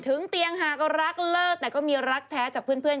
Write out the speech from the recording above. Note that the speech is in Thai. ถึงเตียงหากรักเลิกแต่ก็มีรักแท้จากเพื่อน